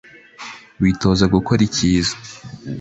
bitoza gukora icyiza